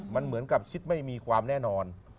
มันเหมือนกับชิดไม่มีความแน่นอน